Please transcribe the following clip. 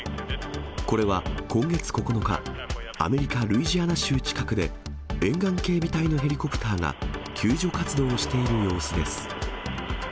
これは今月９日、アメリカ・ルイジアナ州近くで沿岸警備隊のヘリコプターが救助活動をしている様子です。